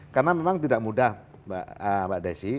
karena memang tidak mudah mbak desi